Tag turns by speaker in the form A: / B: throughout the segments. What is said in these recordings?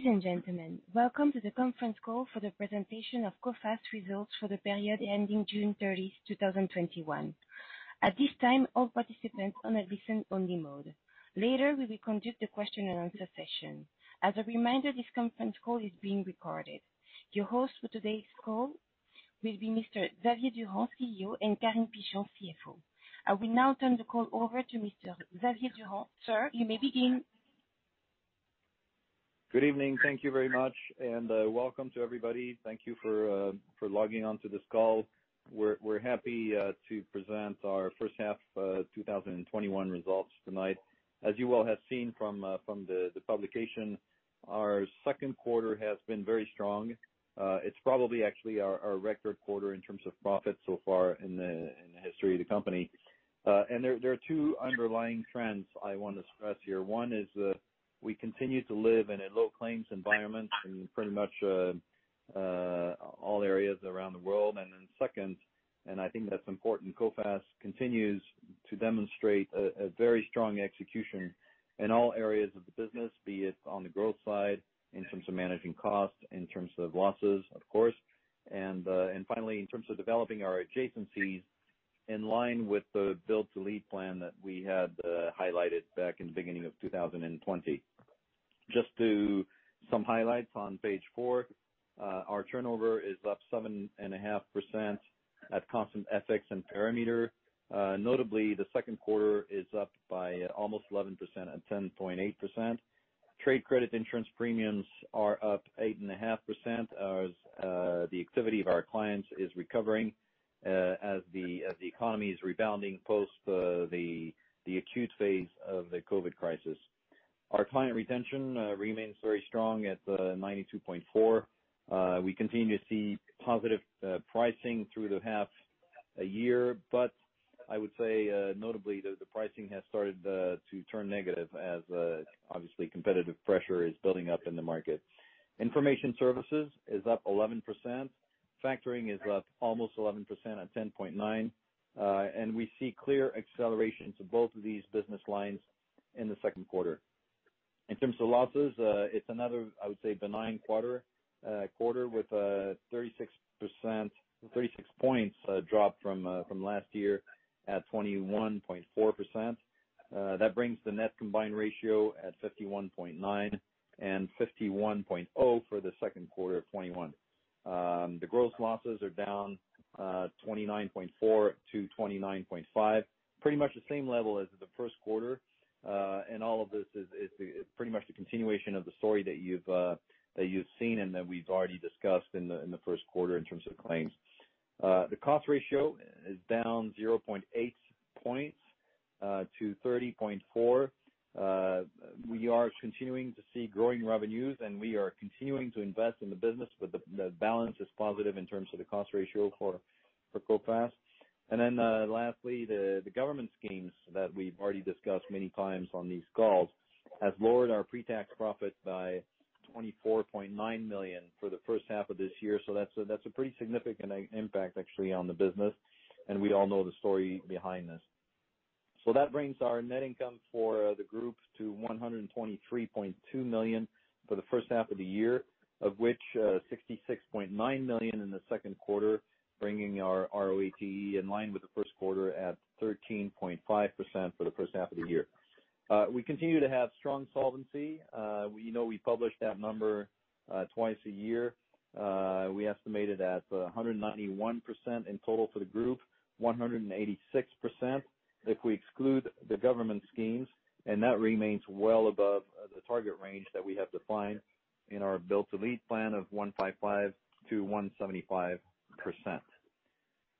A: Ladies and gentlemen, welcome to the conference call for the presentation of Coface results for the period ending June 30, 2021. At this time, all participants on a listen-only mode. Later, we will conduct a question-and-answer session. As a reminder, this conference call is being recorded. Your host for today's call will be Mr. Xavier Durand, CEO, and Carine Pichon, CFO. I will now turn the call over to Mr. Xavier Durand. Sir, you may begin.
B: Good evening. Thank you very much, and welcome to everybody. Thank you for logging on to this call. We're happy to present our first half of 2021 results tonight. As you all have seen from the publication, our second quarter has been very strong. It's probably actually our record quarter in terms of profits so far in the history of the company. There are two underlying trends I want to stress here. One is we continue to live in a low claims environment in pretty much all areas around the world. Then second, and I think that's important, Coface continues to demonstrate a very strong execution in all areas of the business. Be it on the growth side, in terms of managing costs, in terms of losses, of course. Finally, in terms of developing our adjacencies in line with the Build to Lead plan that we had highlighted back in the beginning of 2020. Just some highlights on page four. Our turnover is up 7.5% at constant FX and perimeter. Notably, the second quarter is up by almost 11% at 10.8%. Trade credit insurance premiums are up 8.5% as the activity of our clients is recovering as the economy is rebounding post the acute phase of the COVID crisis. Our client retention remains very strong at 92.4%. We continue to see positive pricing through the half a year, I would say notably that the pricing has started to turn negative as obviously competitive pressure is building up in the market. Information services is up 11%. Factoring is up almost 11% at 10.9%. We see clear acceleration to both of these business lines in the second quarter. In terms of losses, it's another, I would say, benign quarter with a 36 points drop from last year at 21.4%. That brings the net combined ratio at 51.9% and 51.0% for the second quarter of 2021. The gross losses are down 29.4% to 29.5%. Pretty much the same level as the first quarter. All of this is pretty much the continuation of the story that you've seen and that we've already discussed in the first quarter in terms of claims. The cost ratio is down 0.8 points to 30.4%. We are continuing to see growing revenues, and we are continuing to invest in the business, but the balance is positive in terms of the cost ratio for Coface. Lastly, the government schemes that we've already discussed many times on these calls have lowered our pre-tax profit by 24.9 million for the first half of this year. That's a pretty significant impact actually on the business, and we all know the story behind this. That brings our net income for the group to 123.2 million for the first half of the year, of which 66.9 million in the second quarter, bringing our RoATE in line with the first quarter at 13.5% for the first half of the year. We continue to have strong solvency. We publish that number twice a year. We estimate it at 191% in total for the group, 186% if we exclude the government schemes. That remains well above the target range that we have defined in our Build to Lead plan of 155%-175%.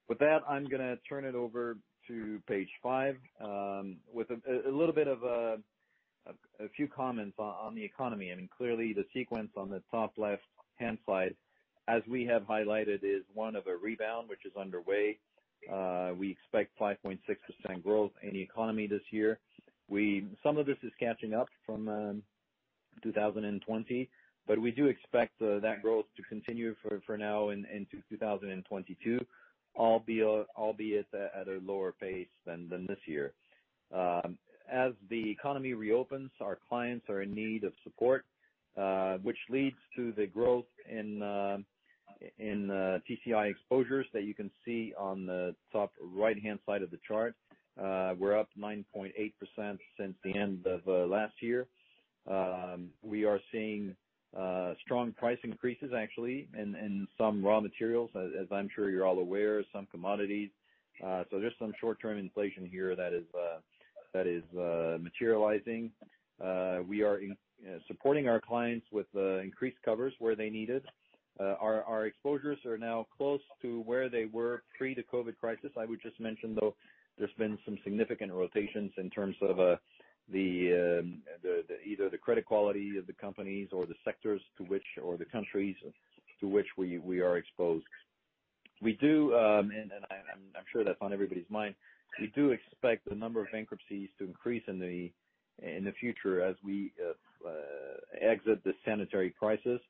B: With that, I'm going to turn it over to page five, with a little bit of few comments on the economy. Clearly, the sequence on the top left-hand side, as we have highlighted, is one of a rebound, which is underway. We expect 5.6% growth in the economy this year. Some of this is catching up from 2020, but we do expect that growth to continue for now into 2022, albeit at a lower pace than this year. As the economy reopens, our clients are in need of support, which leads to the growth in TCI exposures that you can see on the top right-hand side of the chart. We're up 9.8% since the end of last year. We are seeing strong price increases, actually, in some raw materials, as I'm sure you're all aware, some commodities. There's some short-term inflation here that is materializing. We are supporting our clients with increased covers where they need it. Our exposures are now close to where they were pre the COVID crisis. I would just mention, though, there's been some significant rotations in terms of either the credit quality of the companies or the sectors or the countries to which we are exposed. I'm sure that's on everybody's mind. We do expect the number of bankruptcies to increase in the future as we exit the sanitary crisis.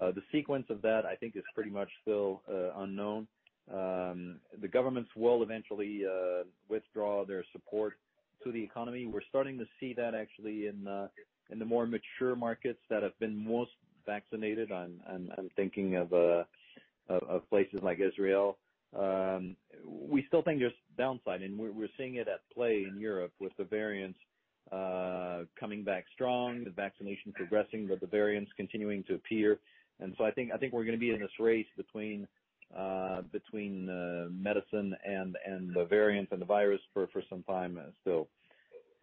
B: The sequence of that, I think, is pretty much still unknown. The governments will eventually withdraw their support to the economy. We're starting to see that actually in the more mature markets that have been most vaccinated. I'm thinking of places like Israel. We still think there's downside, and we're seeing it at play in Europe with the variants coming back strong, the vaccination progressing, but the variants continuing to appear. I think we're going to be in this race between medicine and the variant and the virus for some time still.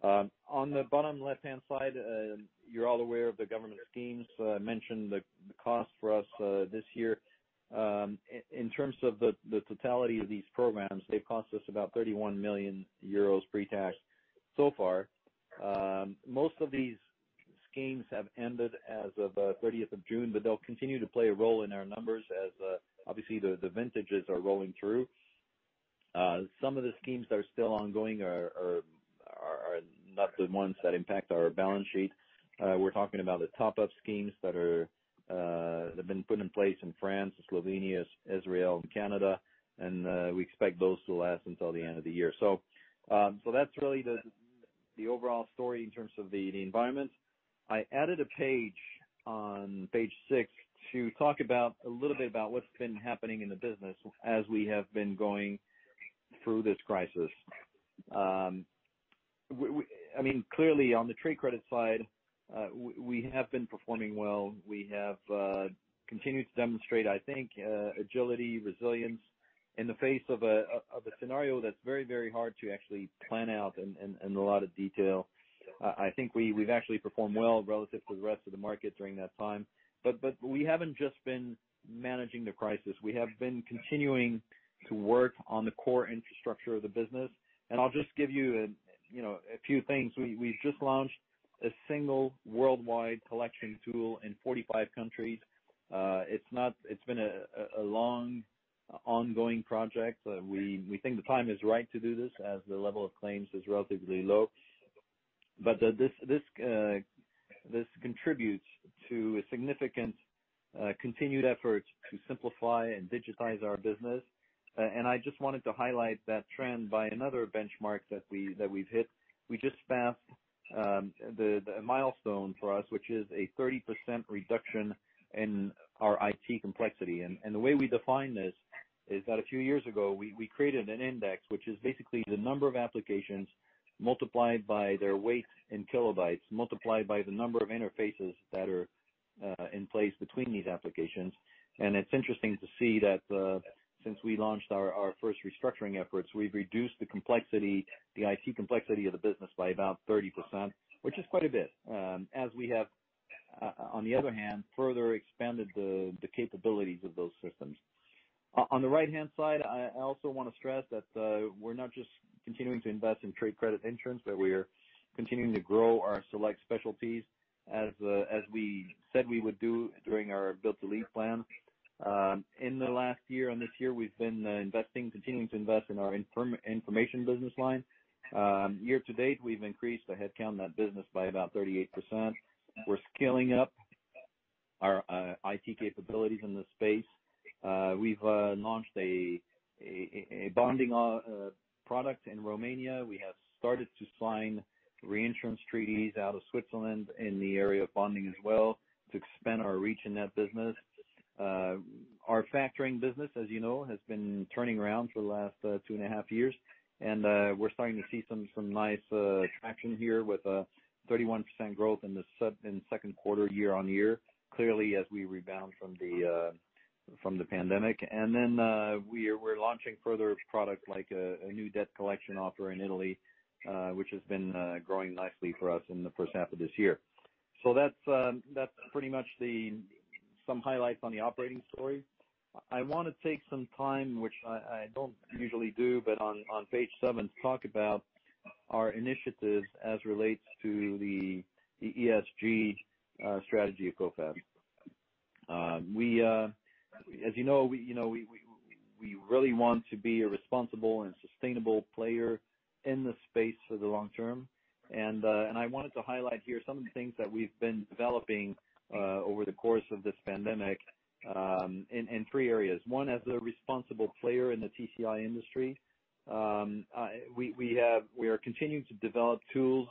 B: On the bottom left-hand side, you're all aware of the government schemes. I mentioned the cost for us this year. In terms of the totality of these programs, they've cost us about 31 million euros pre-tax so far. Most of these schemes have ended as of 30th of June, but they'll continue to play a role in our numbers as, obviously, the vintages are rolling through. Some of the schemes that are still ongoing are not the ones that impact our balance sheet. We're talking about the top-up schemes that have been put in place in France, Slovenia, Israel, and Canada, and we expect those to last until the end of the year. That's really the overall story in terms of the environment. I added a page on page six to talk a little bit about what's been happening in the business as we have been going through this crisis. Clearly, on the trade credit side, we have been performing well. We have continued to demonstrate, I think, agility, resilience in the face of a scenario that's very hard to actually plan out in a lot of detail. I think we've actually performed well relative to the rest of the market during that time. We haven't just been managing the crisis. We have been continuing to work on the core infrastructure of the business. I'll just give you a few things. We've just launched a single worldwide collection tool in 45 countries. It's been a long, ongoing project. We think the time is right to do this as the level of claims is relatively low. This contributes to a significant continued effort to simplify and digitize our business. I just wanted to highlight that trend by another benchmark that we've hit. We just passed the milestone for us, which is a 30% reduction in our IT complexity. The way we define this is that a few years ago, we created an index, which is basically the number of applications multiplied by their weight in kilobytes, multiplied by the number of interfaces that are in place between these applications. It's interesting to see that since we launched our first restructuring efforts, we've reduced the IT complexity of the business by about 30%, which is quite a bit, as we have, on the other hand, further expanded the capabilities of those systems. On the right-hand side, I also want to stress that we're not just continuing to invest in trade credit insurance, but we are continuing to grow our select specialties as we said we would do during our Build to Lead plan. In the last year, on this year, we've been continuing to invest in our information business line. Year to date, we've increased the headcount in that business by about 38%. We're scaling up our IT capabilities in this space. We've launched a bonding product in Romania. We have started to sign reinsurance treaties out of Switzerland in the area of bonding as well to expand our reach in that business. Our factoring business, as you know, has been turning around for the last 2.5 years, and we're starting to see some nice traction here with a 31% growth in the second quarter year-on-year, clearly as we rebound from the pandemic. Then we're launching further products like a new debt collection offer in Italy, which has been growing nicely for us in the first half of this year. That's pretty much some highlights on the operating story. I want to take some time, which I don't usually do, but on page seven, talk about our initiatives as relates to the ESG strategy at Coface. As you know, we really want to be a responsible and sustainable player in the space for the long term. I wanted to highlight here some of the things that we've been developing over the course of this pandemic in three areas. One, as a responsible player in the TCI industry. We are continuing to develop tools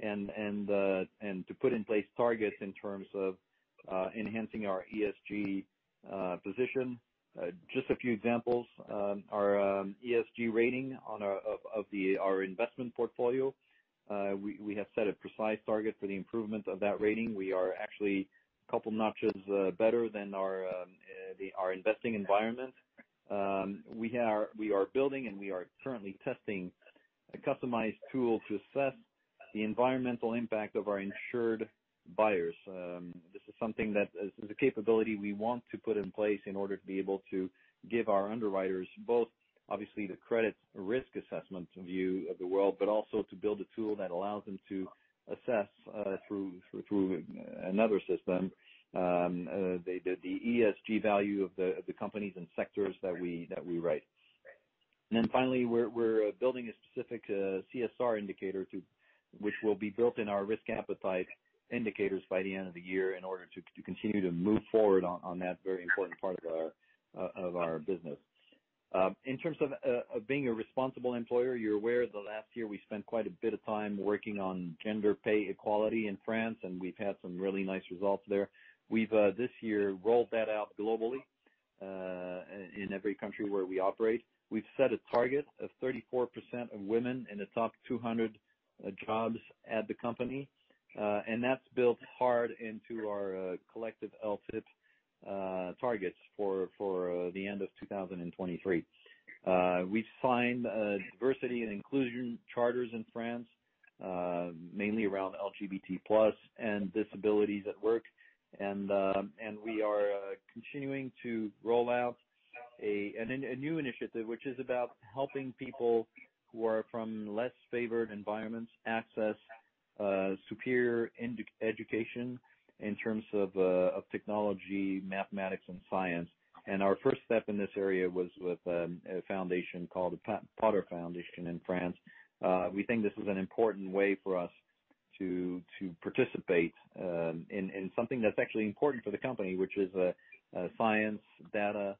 B: and to put in place targets in terms of enhancing our ESG position. Just a few examples. Our ESG rating of our investment portfolio, we have set a precise target for the improvement of that rating. We are actually a couple notches better than our investing environment. We are building and we are currently testing a customized tool to assess the environmental impact of our insured buyers. This is something that is a capability we want to put in place in order to be able to give our underwriters both, obviously, the credit risk assessment view of the world, but also to build a tool that allows them to assess through another system the ESG value of the companies and sectors that we write. Finally, we're building a specific CSR indicator, which will be built in our risk appetite indicators by the end of the year in order to continue to move forward on that very important part of our business. In terms of being a responsible employer, you're aware the last year we spent quite a bit of time working on gender pay equality in France, and we've had some really nice results there. We've, this year, rolled that out globally, in every country where we operate. We've set a target of 34% of women in the top 200 jobs at the company. That's built hard into our collective LTIP targets for the end of 2023. We've signed diversity and inclusion charters in France, mainly around LGBT+ and disabilities at work. We are continuing to roll out a new initiative, which is about helping people who are from less favored environments access superior education in terms of technology, mathematics, and science. Our first step in this area was with a foundation called The Potter Foundation in France. We think this is an important way for us to participate in something that's actually important for the company, which is science, data,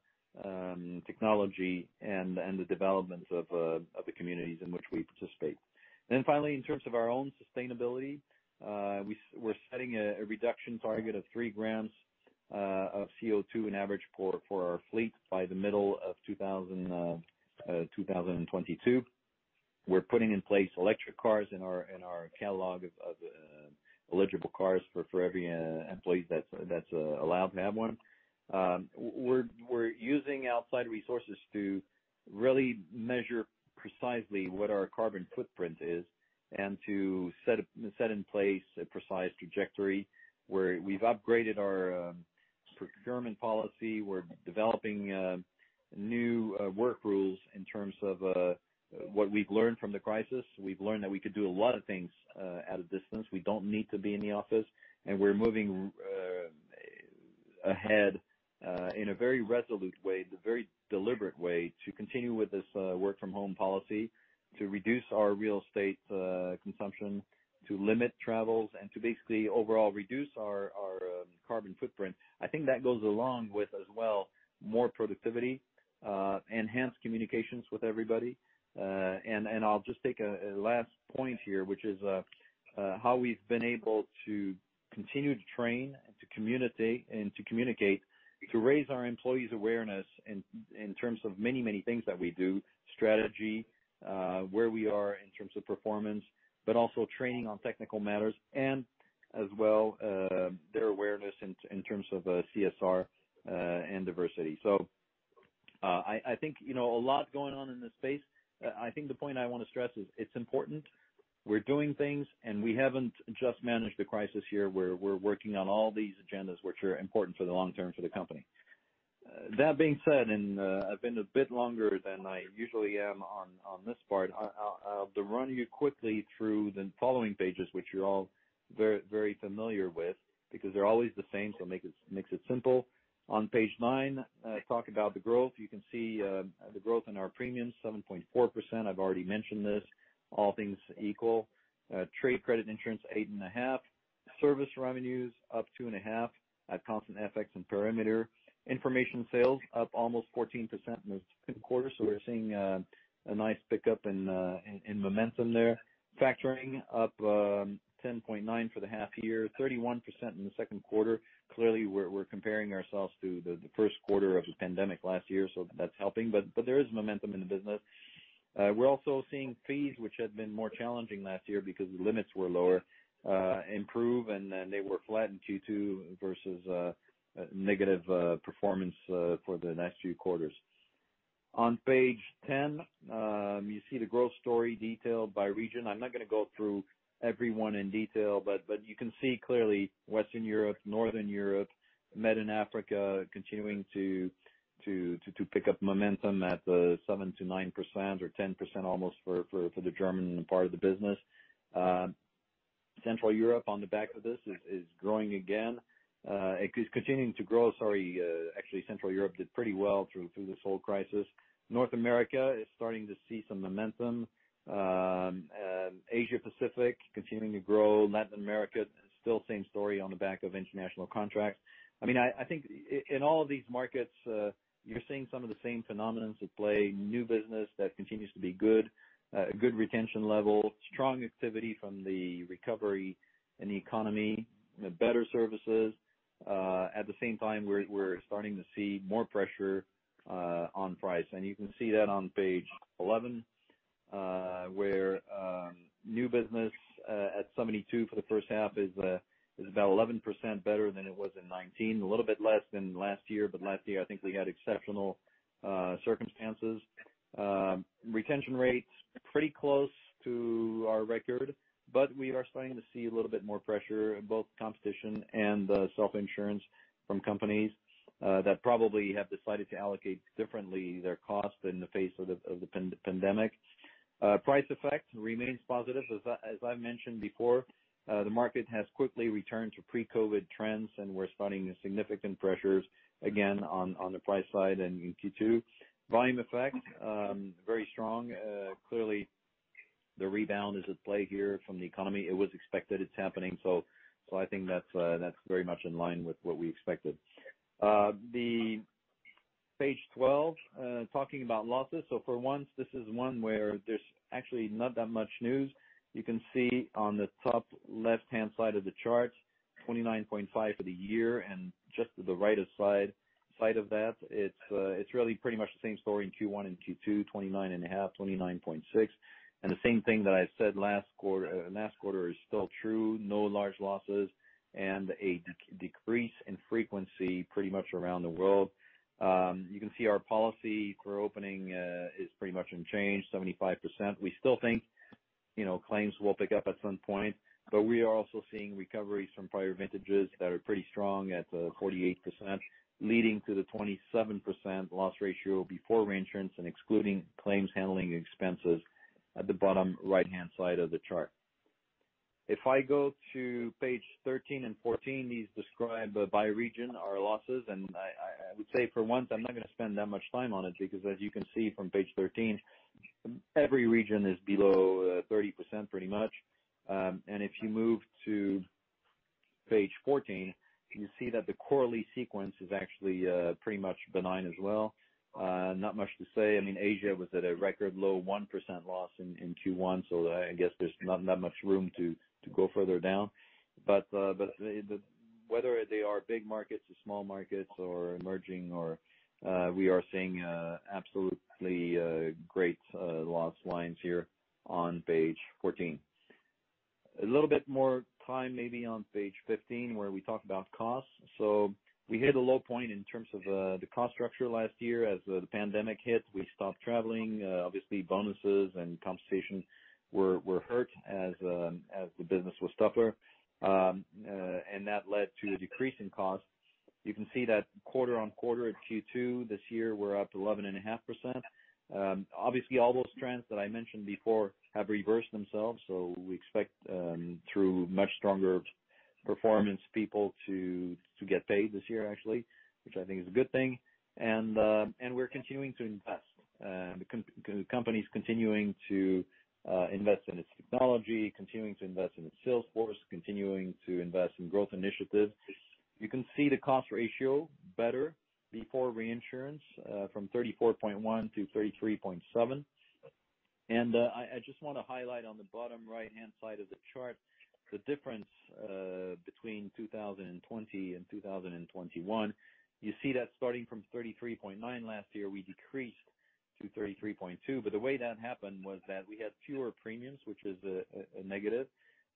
B: technology, and the development of the communities in which we participate. Finally, in terms of our own sustainability, we're setting a reduction target of 3 g of CO2 in average for our fleet by the middle of 2022. We're putting in place electric cars in our catalog of eligible cars for every employee that's allowed to have one. We're using outside resources to really measure precisely what our carbon footprint is and to set in place a precise trajectory where we've upgraded our procurement policy. We're developing new work rules in terms of what we've learned from the crisis. We've learned that we could do a lot of things at a distance. We don't need to be in the office, and we're moving ahead in a very resolute way, a very deliberate way to continue with this work-from-home policy to reduce our real estate consumption, to limit travels, and to basically overall reduce our carbon footprint. I think that goes along with, as well, more productivity, enhanced communications with everybody. I'll just take a last point here, which is how we've been able to continue to train and to communicate, to raise our employees' awareness in terms of many things that we do, strategy, where we are in terms of performance, but also training on technical matters and as well their awareness in terms of CSR and diversity. I think a lot going on in this space. I think the point I want to stress is it's important, we're doing things, and we haven't just managed the crisis here. We're working on all these agendas which are important for the long term for the company. That being said, and I've been a bit longer than I usually am on this part. I'll run you quickly through the following pages, which you're all very familiar with because they're always the same, so makes it simple. On page nine, I talk about the growth. You can see the growth in our premiums, 7.4%. I've already mentioned this. All things equal. Trade credit insurance, 8.5%. Service revenues up 2.5% at constant FX and perimeter. Information sales up almost 14% in the second quarter. We're seeing a nice pickup in momentum there. Factoring up 10.9% for the half year, 31% in the second quarter. Clearly, we're comparing ourselves to the first quarter of the pandemic last year, so that's helping. There is momentum in the business. We're also seeing fees, which had been more challenging last year because the limits were lower, improve, and they were flat in Q2 versus a negative performance for the next few quarters. On page 10, you see the growth story detailed by region. I'm not going to go through every one in detail, but you can see clearly Western Europe, Northern Europe, Med and Africa continuing to pick up momentum at the 7%-9% or 10% almost for the German part of the business. Central Europe, on the back of this, is growing again. It's continuing to grow. Sorry. Actually, Central Europe did pretty well through this whole crisis. North America is starting to see some momentum. Asia Pacific continuing to grow. Latin America, still same story on the back of international contracts. I think in all of these markets, you're seeing some of the same phenomenons at play, new business that continues to be good, a good retention level, strong activity from the recovery in the economy, better services. At the same time, we're starting to see more pressure on price. You can see that on page 11, where new business at 72 for the first half is about 11% better than it was in 2019, a little bit less than last year, but last year, I think we had exceptional circumstances. Retention rates, pretty close to our record, but we are starting to see a little bit more pressure in both competition and self-insurance from companies that probably have decided to allocate differently their cost in the face of the pandemic. Price effect remains positive. As I've mentioned before, the market has quickly returned to pre-COVID trends, and we're spotting significant pressures again on the price side in Q2. Volume effect, very strong. Clearly, the rebound is at play here from the economy. It was expected. It's happening. I think that's very much in line with what we expected. Page 12, talking about losses. For once, this is one where there's actually not that much news. You can see on the top left-hand side of the chart, 29.5% for the year and just to the right-hand side of that, it's really pretty much the same story in Q1 and Q2, 29.5%, 29.6%. The same thing that I said last quarter is still true, no large losses and a decrease in frequency pretty much around the world. You can see our policy for opening is pretty much unchanged, 75%. We still think claims will pick up at some point, but we are also seeing recoveries from prior vintages that are pretty strong at 48%, leading to the 27% loss ratio before reinsurance and excluding claims handling expenses at the bottom right-hand side of the chart. If I go to page 13 and 14, these describe by region our losses. I would say for once, I'm not going to spend that much time on it because as you can see from page 13, every region is below 30% pretty much. If you move to page 14, you see that the quarterly sequence is actually pretty much benign as well. Not much to say. Asia was at a record low 1% loss in Q1, so I guess there's not that much room to go further down. Whether they are big markets or small markets or emerging, we are seeing absolutely great loss lines here on page 14. A little bit more time maybe on page 15, where we talk about costs. We hit a low point in terms of the cost structure last year. As the pandemic hit, we stopped traveling. Obviously, bonuses and compensation were hurt as the business was tougher. That led to a decrease in cost. You can see that quarter-on-quarter at Q2 this year, we're up to 11.5%. Obviously, all those trends that I mentioned before have reversed themselves. We expect through much stronger performance people to get paid this year actually, which I think is a good thing. We're continuing to invest. The company's continuing to invest in its technology, continuing to invest in its sales force, continuing to invest in growth initiatives. You can see the cost ratio better before reinsurance, from 34.1% to 33.7%. I just want to highlight on the bottom right-hand side of the chart, the difference between 2020 and 2021. You see that starting from 33.9% last year, we decreased to 33.2%. The way that happened was that we had fewer premiums, which is a negative,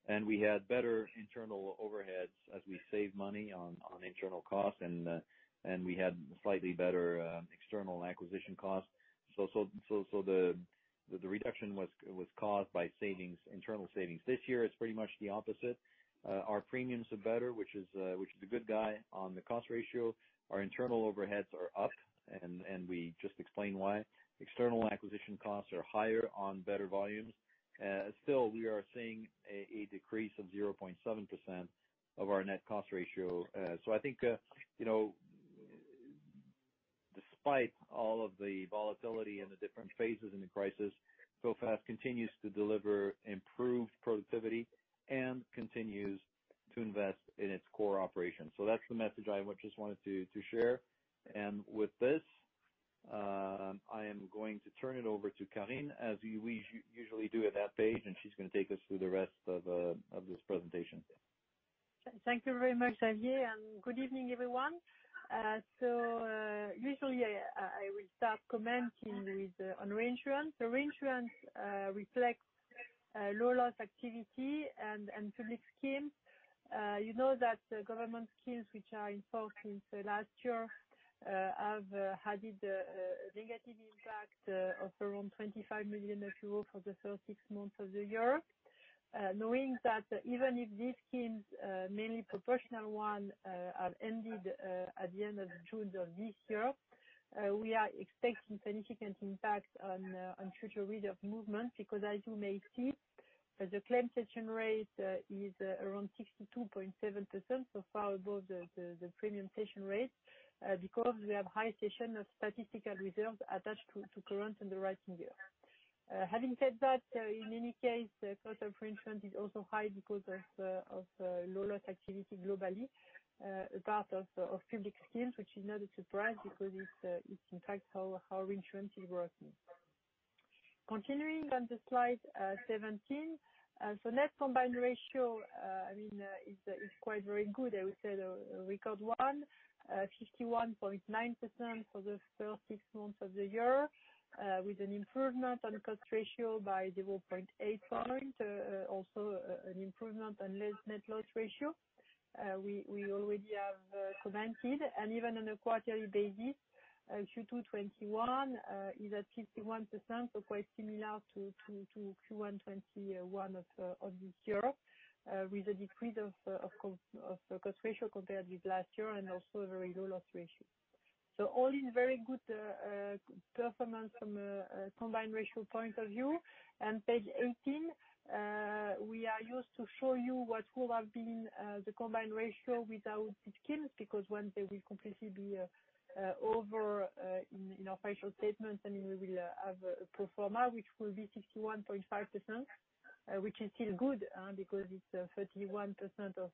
B: and we had better internal overheads as we saved money on internal costs, and we had slightly better external acquisition costs. The reduction was caused by internal savings. This year, it's pretty much the opposite. Our premiums are better, which is a good guy on the cost ratio. Our internal overheads are up, and we just explained why. External acquisition costs are higher on better volumes. Still, we are seeing a decrease of 0.7% of our net cost ratio. I think despite all of the volatility and the different phases in the crisis, Coface continues to deliver improved productivity and continues to invest in its core operations. That's the message I just wanted to share. With this, I am going to turn it over to Carine, as we usually do at that page, and she's going to take us through the rest of this presentation.
C: Thank you very much, Xavier, and good evening, everyone. Usually, I will start commenting on reinsurance. Reinsurance reflects low loss activity and public schemes. You know that government schemes which are in force since last year, have had a negative impact of around 25 million euros for the first six months of the year. Knowing that even if these schemes, mainly proportional one, have ended at the end of June of this year, we are expecting significant impact on future rate of movement because as you may see, the claim cession rate is around 62.7%, so far above the premium cession rate, because we have high cession of statistical reserves attached to current underwriting year. Having said that, in any case, the cost of reinsurance is also high because of low loss activity globally, part of public schemes, which is not a surprise because it's in fact how reinsurance is working. Continuing on to slide 17. Net combined ratio is quite very good. I would say the record one, 51.9% for the first six months of the year, with an improvement on cost ratio by 0.8 point, also an improvement on net loss ratio. We already have prevented, and even on a quarterly basis, Q2 2021 is at 51%, quite similar to Q1 2021 of this year, with a decrease of the cost ratio compared with last year and also a very low loss ratio. All in very good performance from a combined ratio point of view. Page 18, we are used to show you what would have been the combined ratio without these schemes, because once they will completely be over in our financial statements, we will have a pro forma, which will be 61.5%, which is still good because it's 31% of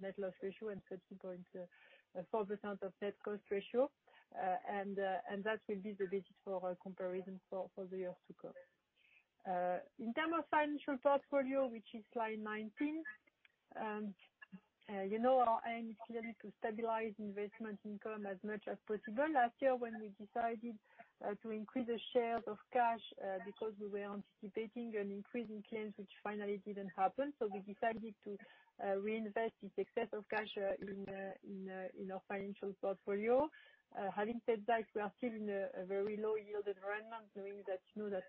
C: net loss ratio and 30.4% of net cost ratio. That will be the basis for our comparison for the years to come. In terms of financial portfolio, which is slide 19, our aim is clearly to stabilize investment income as much as possible. Last year when we decided to increase the shares of cash because we were anticipating an increase in claims, which finally didn't happen. We decided to reinvest this excess of cash in our financial portfolio. Having said that, we are still in a very low yield environment, knowing that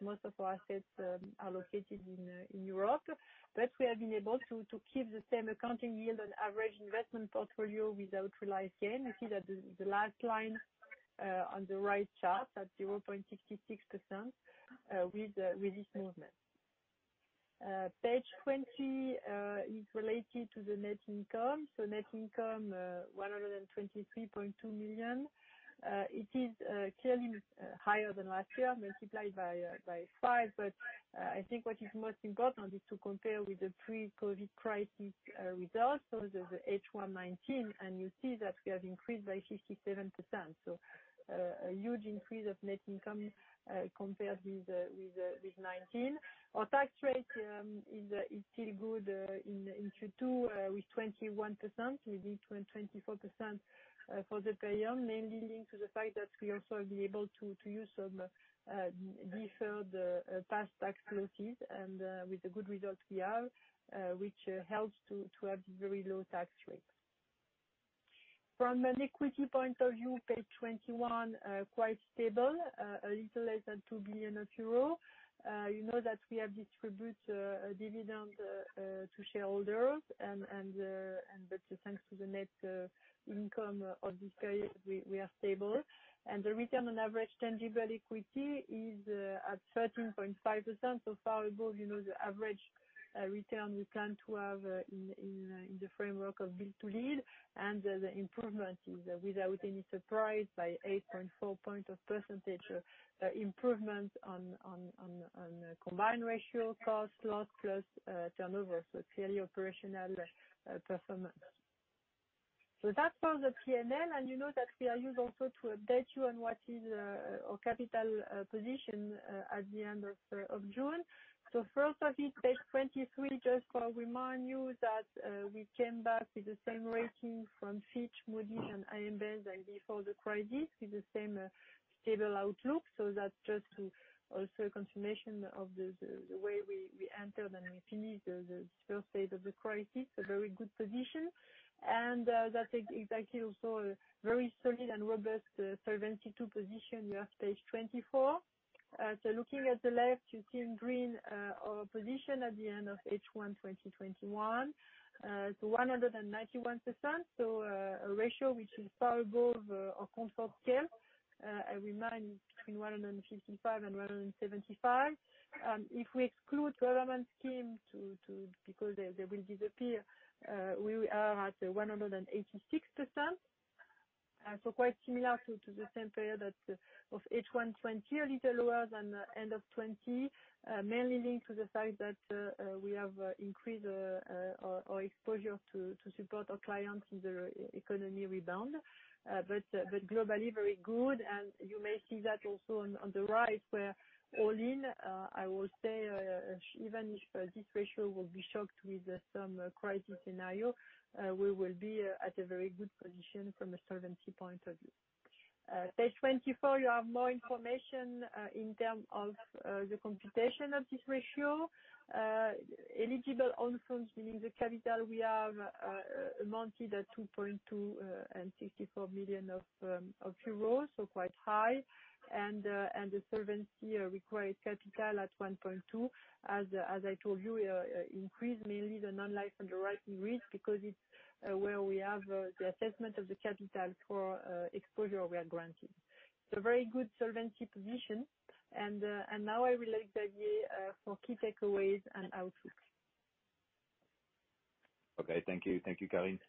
C: most of our assets are located in Europe, but we have been able to keep the same accounting yield on average investment portfolio without realized gain. You see that the last line on the right chart at 0.66% with this movement. Page 20 is related to the net income. Net income, 123.2 million. It is clearly higher than last year, multiplied by five. I think what is most important is to compare with the pre-COVID crisis results. The H1 2019, and you see that we have increased by 67%. A huge increase of net income compared with 2019. Our tax rate is still good in Q2 with 21%, within 24% for the period, mainly linked to the fact that we also be able to use some deferred past tax losses and with the good results we have, which helps to have very low tax rate. From an equity point of view, page 21, quite stable, a little less than 2 billion euro. You know that we have distributed a dividend to shareholders, thanks to the net income of this period, we are stable. The return on average tangible equity is at 13.5%, so far above the average return we plan to have in the framework of Build to Lead. The improvement is without any surprise by 8.4 point of percentage improvement on combined ratio cost loss plus turnover. So clearly operational performance. That's for the P&L, and you know that we are used also to update you on what is our capital position at the end of June. First of it, page 23, just to remind you that we came back with the same rating from Fitch, Moody's, and AM Best as before the crisis, with the same stable outlook. That's just to also confirmation of the way we entered and we finished the first phase of the crisis, a very good position. That exactly also a very solid and robust Solvency II position we have page 24. Looking at the left, you see in green our position at the end of H1 2021. 191%, a ratio which is far above our comfort scale. It remained between 155% and 175%. If we exclude government scheme, because they will disappear, we are at 186%. Quite similar to the same period of H1 2020, a little lower than end of 2020, mainly linked to the fact that we have increased our exposure to support our clients in the economy rebound. Globally very good, and you may see that also on the right where all in, I will say, even if this ratio will be shocked with some crisis scenario, we will be at a very good position from a solvency point of view. Page 24, you have more information in terms of the computation of this ratio. Eligible own funds within the capital we have amounted at 2.2 million and 64 million euros, so quite high. The solvency required capital at 1.2 billion. As I told you, we increase mainly the non-life underwriting risk because it's where we have the assessment of the capital for exposure we are granting. Very good solvency position. Now I relate Xavier for key takeaways and outlook.
B: Okay. Thank you, Carine.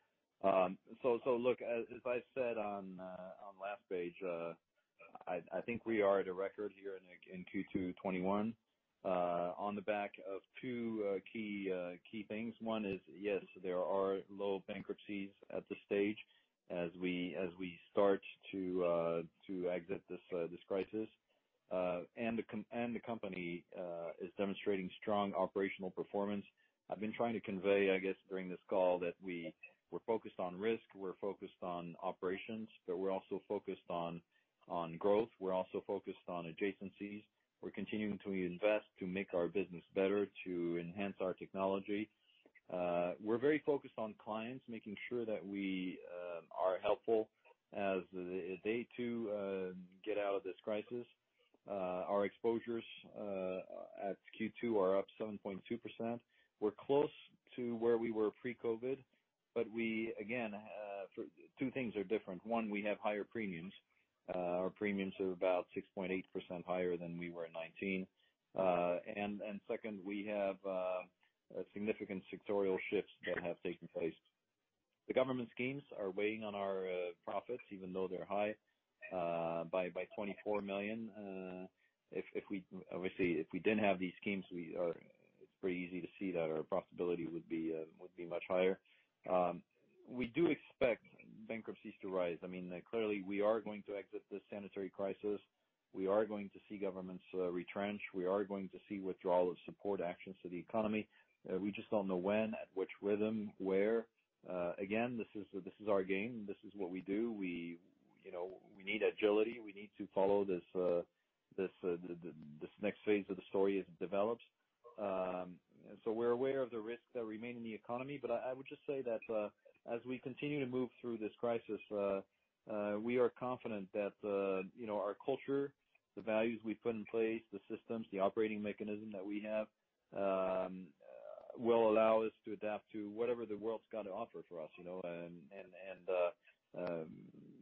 B: Look, as I said on last page, I think we are at a record here in Q2 2021, on the back of two key things. One is, yes, there are low bankruptcies at this stage as we start to exit this crisis. The company is demonstrating strong operational performance. I've been trying to convey, I guess, during this call that we're focused on risk, we're focused on operations, but we're also focused on growth. We're also focused on adjacencies. We're continuing to invest, to make our business better, to enhance our technology. We're very focused on clients, making sure that we are helpful as they too get out of this crisis. Our exposures at Q2 are up 7.2%. We're close to where we were pre-COVID, but again, two things are different. One, we have higher premiums. Our premiums are about 6.8% higher than we were in 2019. Second, we have significant sectorial shifts that have taken place. The government schemes are weighing on our profits, even though they're high, by 24 million. Obviously, if we didn't have these schemes, it's pretty easy to see that our profitability would be much higher. We do expect bankruptcies to rise. Clearly, we are going to exit this sanitary crisis. We are going to see governments retrench. We are going to see withdrawal of support actions to the economy. We just don't know when, at which rhythm, where. Again, this is our game. This is what we do. We need agility. We need to follow this next phase of the story as it develops. We're aware of the risks that remain in the economy. I would just say that as we continue to move through this crisis, we are confident that our culture, the values we've put in place, the systems, the operating mechanism that we have, will allow us to adapt to whatever the world's got to offer to us.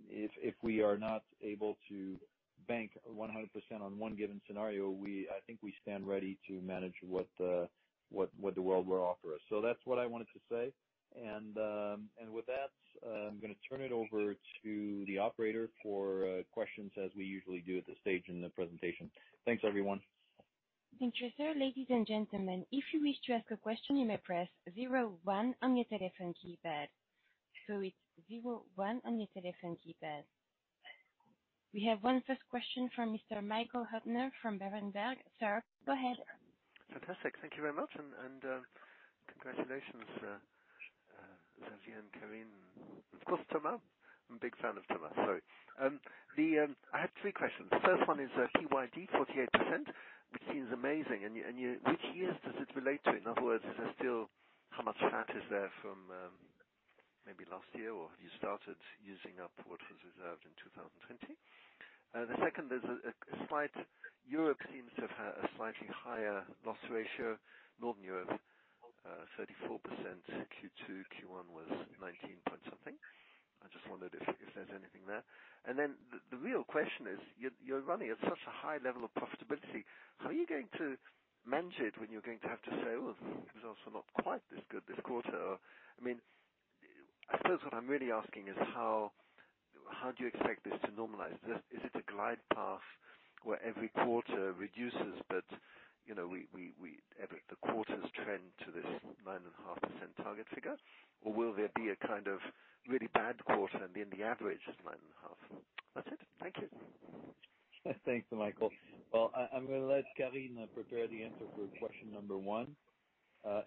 B: If we are not able to bank 100% on one given scenario, I think we stand ready to manage what the world will offer us. That's what I wanted to say. With that, I'm going to turn it over to the operator for questions as we usually do at this stage in the presentation. Thanks, everyone.
A: Thank you, sir. Ladies and gentlemen, if you wish to ask a question, you may press zero one on your telephone keypad. It's zero one on your telephone keypad. We have one first question from Mr. Michael Huttner from Berenberg. Sir, go ahead.
D: Fantastic. Thank you very much, congratulations, Xavier and Carine, of course, Thomas. I'm a big fan of Thomas. Sorry. I have three questions. First one is PYD 48%, which seems amazing. Which years does it relate to? In other words, how much [fat] is there from maybe last year, or have you started using up what was reserved in 2020? The second is Europe seems to have had a slightly higher loss ratio, Northern Europe, 34% Q2. Q1 was 19%. I just wondered if there's anything there. The real question is, you're running at such a high level of profitability, how are you going to manage it when you're going to have to say, "Well, the results are not quite this good this quarter?" I suppose what I'm really asking is how do you expect this to normalize? Is it a glide path where every quarter reduces but the quarters trend to this 9.5% target figure? Will there be a kind of really bad quarter and then the average is 9.5%? That's it. Thank you.
B: Thanks, Michael. Well, I'm going to let Carine prepare the answer for question number one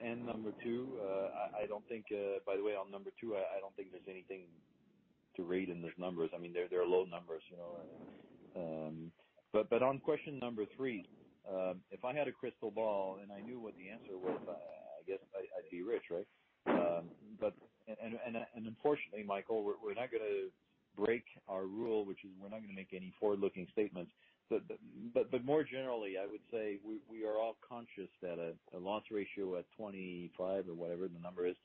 B: and number two. By the way, on number two, I don't think there's anything to read in those numbers. They're low numbers. On question number three, if I had a crystal ball and I knew what the answer was, I guess I'd be rich, right? Unfortunately, Michael, we're not going to break our rule, which is we're not going to make any forward-looking statements. More generally, I would say we are all conscious that a loss ratio at 25% or whatever the number is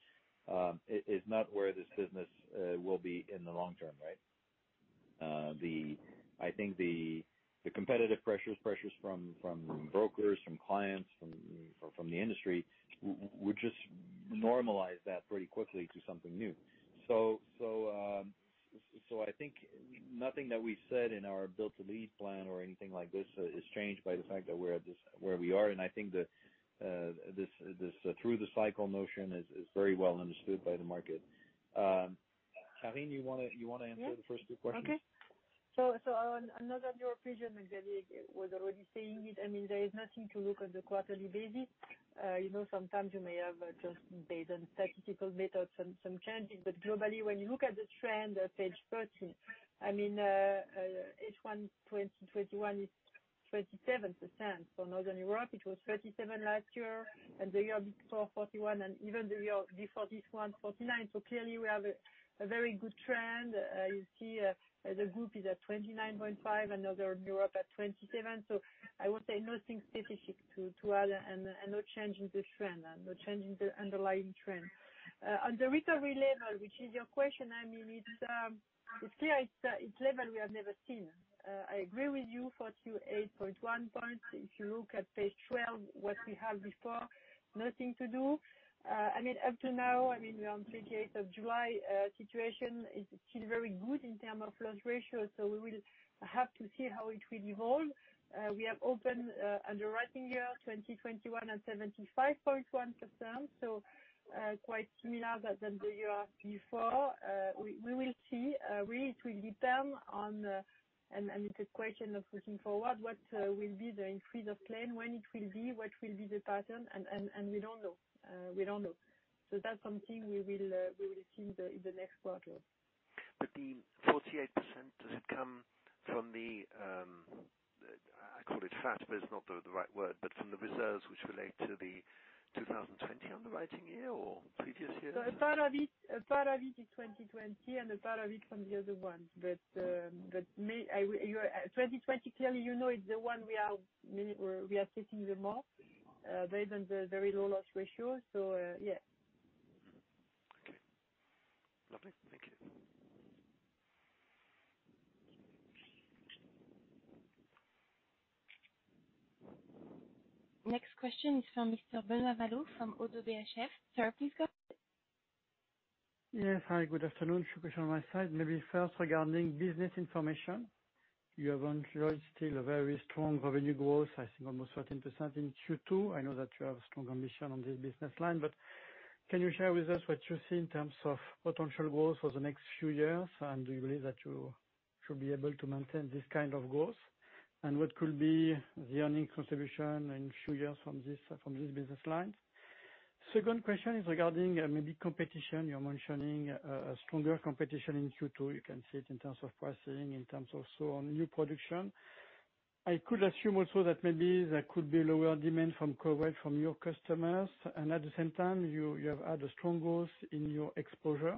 B: not where this business will be in the long term, right? I think the competitive pressures from brokers, from clients, from the industry, would just normalize that pretty quickly to something new. I think nothing that we've said in our Build to Lead plan or anything like this is changed by the fact that we're at just where we are. I think this through the cycle notion is very well understood by the market. Carine, you want to answer the first two questions?
C: Yeah. Okay. On another European, Xavier was already saying it. There is nothing to look at the quarterly basis. Sometimes you may have just based on statistical methods some changes. Globally, when you look at the trend at page 13, H1 2021 is 37%. Northern Europe, it was 37% last year, and the year before 41%, and even the year before this one, 49%. Clearly we have a very good trend. You see the group is at 29.5% and Northern Europe at 27%. I would say nothing specific to that and no change in the trend, no change in the underlying trend. On the recovery level, which is your question, it's clear it's level we have never seen. I agree with you, 48.1 points. If you look at page 12, what we had before, nothing to do. Up to now, we are on the 28th of July, situation is still very good in term of loss ratio, so we will have to see how it will evolve. We have opened underwriting year 2021 at 75.1%, so quite similar than the year before. We will see. It will depend on, and it's a question of looking forward, what will be the increase of claim, when it will be, what will be the pattern, and we don't know. That's something we will see in the next quarter.
D: The 48%, does it come from the, I call it fat, but it's not the right word, but from the reserves which relate to the 2020 underwriting year or previous years?
C: A part of it is 2020, and a part of it from the other ones. 2020, clearly, you know it's the one we are taking the most. Based on the very low loss ratio. Yes.
D: Okay. Lovely. Thank you.
A: Next question is from Mr. Benoît Valleaux from Oddo BHF. Sir, please go ahead.
E: Yes. Hi, good afternoon. Two questions on my side. Maybe first, regarding business information, you have enjoyed still a very strong revenue growth, I think almost 13% in Q2. I know that you have strong ambition on this business line, but can you share with us what you see in terms of potential growth for the next few years, and do you believe that you should be able to maintain this kind of growth? What could be the earning contribution in a few years from this business line? Second question is regarding maybe competition. You're mentioning a stronger competition in Q2. You can see it in terms of pricing, in terms of new production. I could assume also that maybe there could be lower demand from COVID from your customers, and at the same time, you have had a strong growth in your exposure.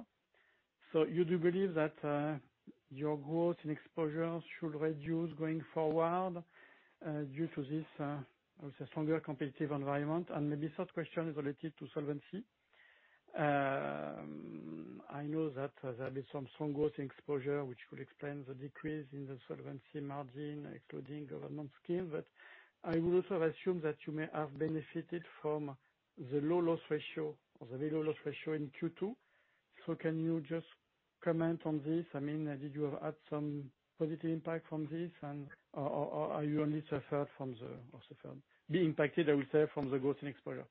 E: You do believe that your growth and exposure should reduce going forward due to this stronger competitive environment? Maybe third question is related to solvency. I know that there has been some strong growth in exposure, which would explain the decrease in the solvency margin, excluding government scheme. I would also assume that you may have benefited from the low loss ratio or the very low loss ratio in Q2. Can you just comment on this? Did you have had some positive impact from this, or are you only be impacted, I would say, from the growth and exposure?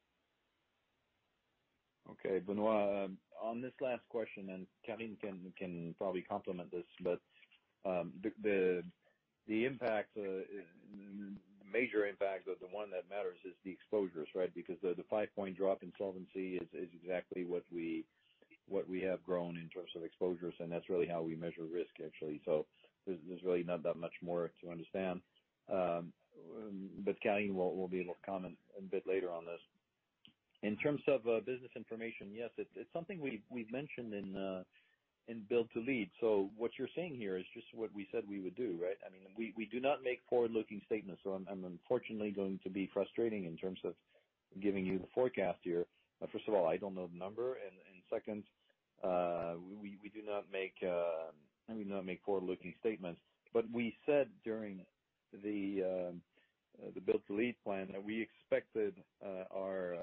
B: Okay, Benoît. On this last question, and Carine Pichon can probably complement this, but the major impact or the one that matters is the exposures, right? The five-point drop in solvency is exactly what we have grown in terms of exposures, and that's really how we measure risk, actually. There's really not that much more to understand. Carine will be able to comment a bit later on this. In terms of business information, yes, it's something we've mentioned in Build to Lead. What you're saying here is just what we said we would do, right? We do not make forward-looking statements, so I'm unfortunately going to be frustrating in terms of giving you the forecast here. First of all, I don't know the number, and second, we do not make forward-looking statements. We said during the Build to Lead plan that we expected our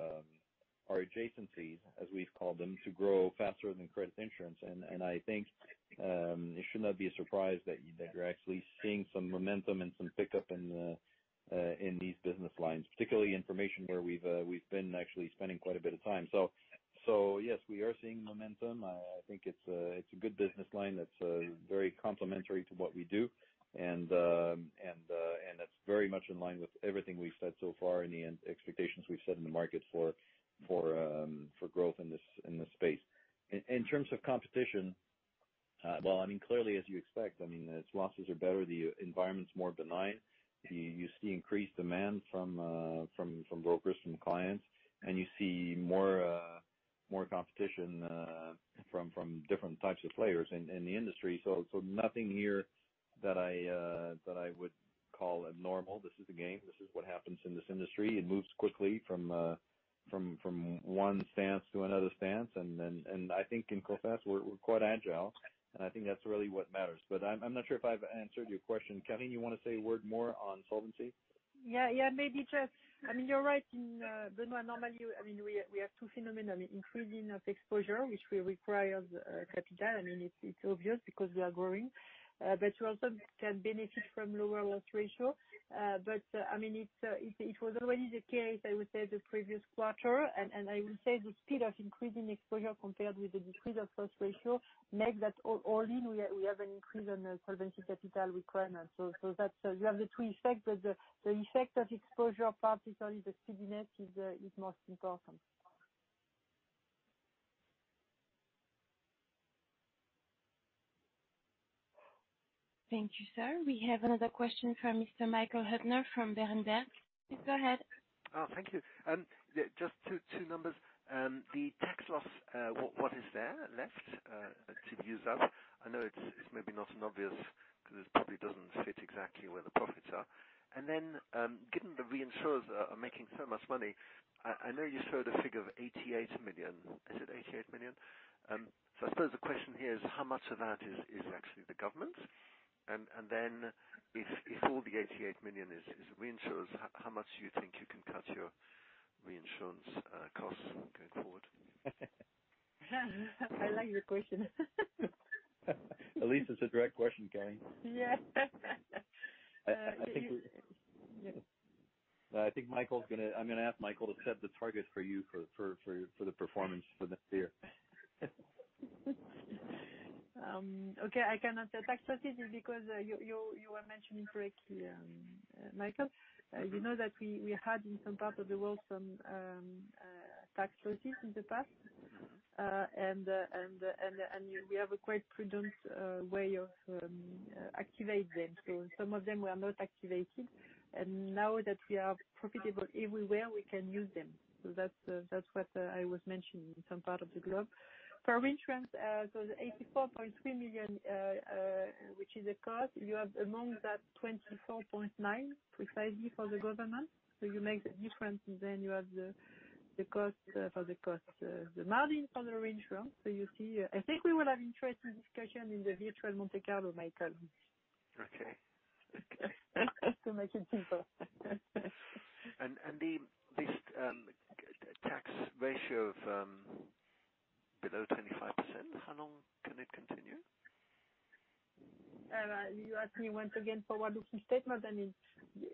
B: adjacencies, as we've called them, to grow faster than credit insurance. I think it should not be a surprise that you're actually seeing some momentum and some pickup in these business lines, particularly information where we've been actually spending quite a bit of time. Yes, we are seeing momentum. I think it's a good business line that's very complementary to what we do. That's very much in line with everything we've said so far and the expectations we've set in the market for growth in this space. In terms of competition, clearly as you expect, as losses are better, the environment's more benign. You see increased demand from brokers, from clients, and you see more competition from different types of players in the industry. Nothing here that I would call abnormal. This is the game. This is what happens in this industry. It moves quickly from one stance to another stance. I think in Coface, we're quite agile, and I think that's really what matters. I'm not sure if I've answered your question. Carine, you want to say a word more on solvency?
C: Yeah. You're right, Benoît. Normally, we have two phenomena. Increasing of exposure, which will require capital. It's obvious because we are growing. We also can benefit from lower loss ratio. It was already the case, I would say, the previous quarter, and I will say the speed of increasing exposure compared with the decrease of loss ratio make that all in, we have an increase on the solvency capital requirement. You have the two effects, but the effect of exposure, particularly the ceded net, is most important.
A: Thank you, sir. We have another question from Mr. Michael Huttner from Berenberg. Please go ahead.
D: Thank you. Just two numbers. The tax loss, what is there left to use up? I know it's maybe not an obvious because it probably doesn't fit exactly where the profits are. Given the reinsurers are making so much money, I know you showed a figure of 88 million. Is it 88 million? I suppose the question here is how much of that is actually the government? If all the 88 million is reinsurers, how much do you think you can cut your reinsurance costs going forward?
C: I like your question.
B: At least it's a direct question, Carine.
C: Yeah.
B: I think I'm going to ask Michael to set the target for you for the performance for next year.
C: Okay. I can answer. Tax losses, because you are mentioning correctly, Michael, you know that we had in some parts of the world some tax losses in the past. We have a quite prudent way of activate them. Some of them were not activated. Now that we are profitable everywhere, we can use them. That's what I was mentioning in some part of the globe. For reinsurance, so the 84.3 million, which is a cost, you have among that 24.9 million precisely for the government. You make the difference and then you have the margin for the reinsurance. You see, I think we will have interesting discussion in the virtual Monte Carlo, Michael.
D: Okay.
C: To make it simple.
D: This tax ratio of below 25%, how long can it continue?
C: You ask me once again for forward-looking statement.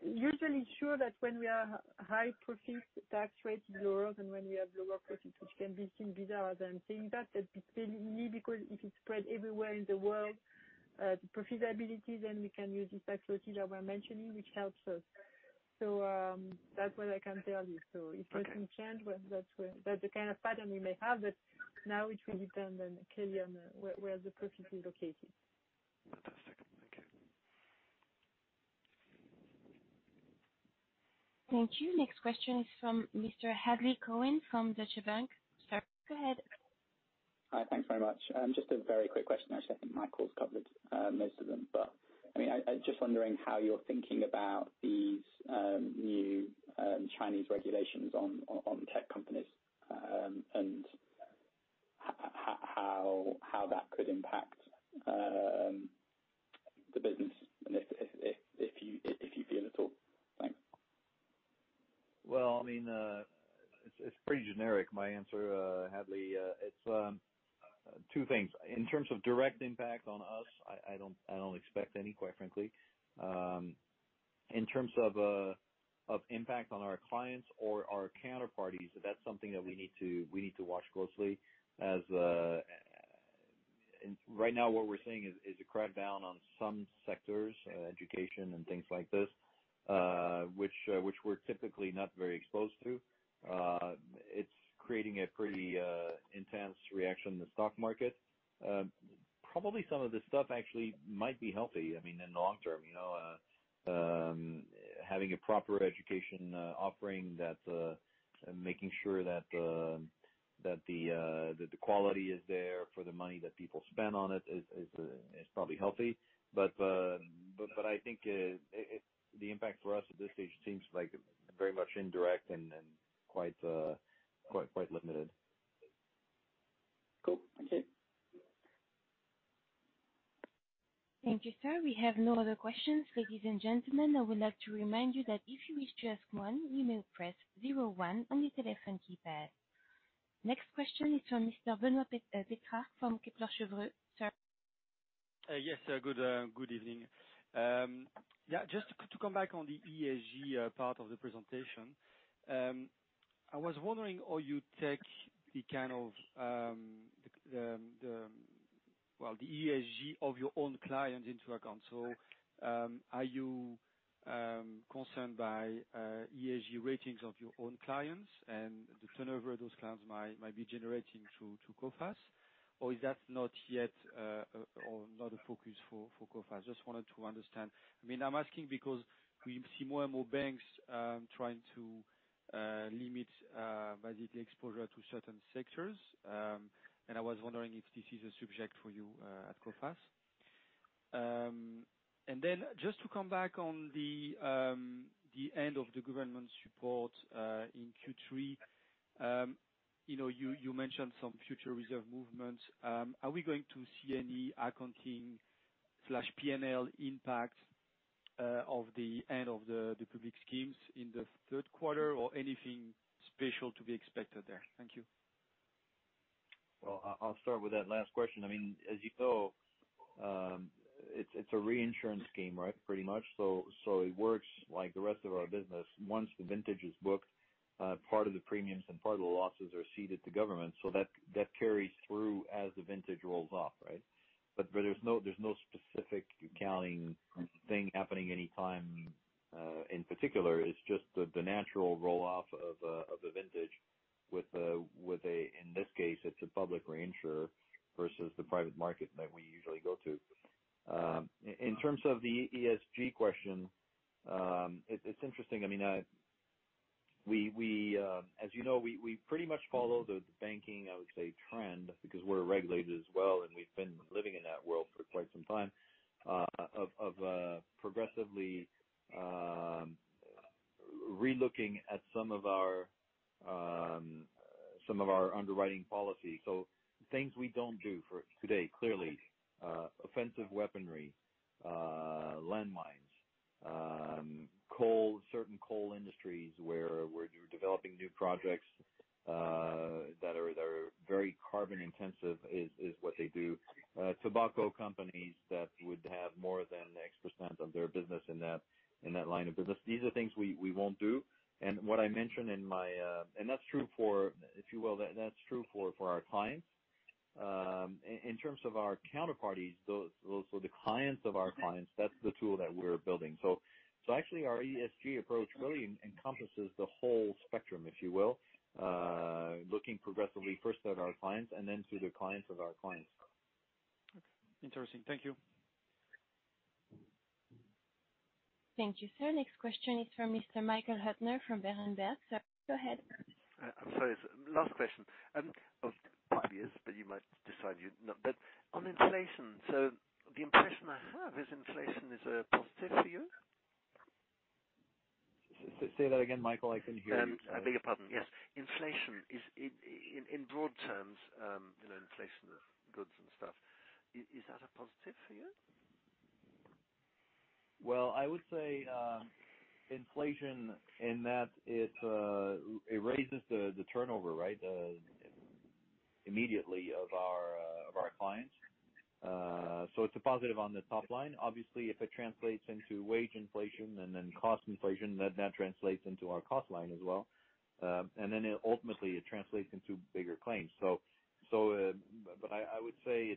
C: Usually sure that when we have high profits, tax rates lower than when we have lower profits, which can be seen bizarre than saying that's typically because if it's spread everywhere in the world, the profitability, then we can use this tax logic that we're mentioning, which helps us. That's what I can tell you. It doesn't change. That's the kind of pattern we may have, but now it will be done then clearly on where the profit is located.
D: Fantastic. Okay.
A: Thank you. Next question is from Mr. Hadley Cohen from Deutsche Bank. Sir, go ahead.
F: Hi, thanks very much. Just a very quick question. Actually, I think Michael's covered most of them. Just wondering how you're thinking about these new Chinese regulations on tech companies, and how that could impact the business, and if you feel at all? Thanks.
B: Well, it's pretty generic, my answer, Hadley. It's two things. In terms of direct impact on us, I don't expect any, quite frankly. In terms of impact on our clients or our counterparties, that's something that we need to watch closely. Right now what we're seeing is a crackdown on some sectors, education and things like this, which we're typically not very exposed to. It's creating a pretty intense reaction in the stock market. Probably some of this stuff actually might be healthy, in the long term. Having a proper education offering, making sure that the quality is there for the money that people spend on it is probably healthy. I think the impact for us at this stage seems very much indirect and quite limited.
F: Cool. That's it.
A: Thank you, sir. We have no other questions. Ladies and gentlemen, I would like to remind you that if you wish to ask one, you may press zero one on your telephone keypad. Next question is from Mr. Benoît Pétrarque from Kepler Cheuvreux. Sir.
G: Yes, good evening. Just to come back on the ESG part of the presentation. I was wondering how you take the ESG of your own clients into account. Are you concerned by ESG ratings of your own clients and the turnover those clients might be generating to Coface? Is that not a focus for Coface? Just wanted to understand. I'm asking because we see more and more banks trying to limit the exposure to certain sectors. I was wondering if this is a subject for you at Coface. Just to come back on the end of the government support in Q3. You mentioned some future reserve movements. Are we going to see any accounting/P&L impact of the end of the public schemes in the third quarter or anything special to be expected there? Thank you.
B: Well, I'll start with that last question. As you know, it's a reinsurance scheme, right? Pretty much. It works like the rest of our business. Once the vintage is booked, part of the premiums and part of the losses are ceded to government. That carries through as the vintage rolls off, right? There's no specific accounting thing happening anytime in particular. It's just the natural roll-off of a vintage with a, in this case, it's a public reinsurer versus the private market that we usually go to. In terms of the ESG question, it's interesting. As you know, we pretty much follow the banking, I would say, trend, because we're a regulator as well, and we've been living in that world for quite some time, of progressively re-looking at some of our underwriting policies. Things we don't do for today, clearly, offensive weaponry, landmines, certain coal industries where you're developing new projects that are very carbon intensive is what they do. Tobacco companies that would have more than X% of their business in that line of business. These are things we won't do. That's true for our clients. In terms of our counterparties, so the clients of our clients, that's the tool that we're building. Actually our ESG approach really encompasses the whole spectrum, if you will. Looking progressively first at our clients and then through the clients of our clients.
G: Okay. Interesting. Thank you.
A: Thank you, sir. Next question is from Mr. Michael Huttner from Berenberg. Sir, go ahead.
D: I'm sorry. Last question. Probably is, but you might decide you not, but on inflation. The impression I have is inflation is a positive for you?
B: Say that again, Michael. I couldn't hear you.
D: I beg your pardon. Yes. Inflation, in broad terms, inflation of goods and stuff, is that a positive for you?
B: Well, I would say inflation in that it raises the turnover immediately of our clients. It's a positive on the top line. Obviously, if it translates into wage inflation and then cost inflation, that translates into our cost line as well. Ultimately it translates into bigger claims. I would say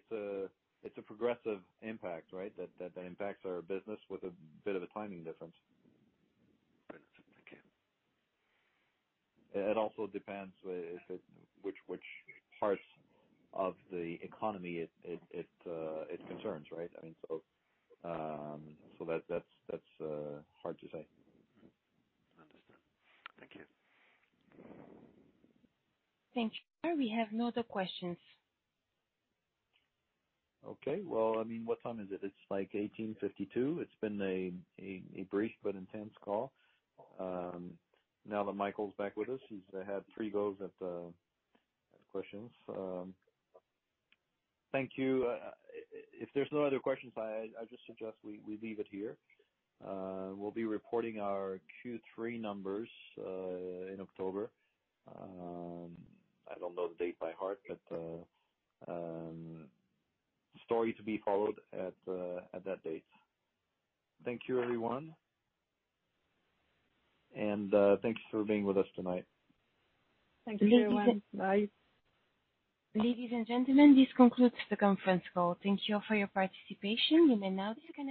B: it's a progressive impact that impacts our business with a bit of a timing difference.
D: Right. Thank you.
B: It also depends which parts of the economy it concerns. That's hard to say.
D: I understand. Thank you.
A: Thank you. We have no other questions.
B: Okay. Well, what time is it? It's 6:52 P.M. It's been a brief but intense call. Now that Michael's back with us, he's had three goes at the questions. Thank you. If there's no other questions, I just suggest we leave it here. We'll be reporting our Q3 numbers in October. I don't know the date by heart, but story to be followed at that date. Thank you, everyone. Thanks for being with us tonight.
C: Thank you, everyone. Bye.
A: Ladies and gentlemen, this concludes the conference call. Thank you for your participation. You may now disconnect.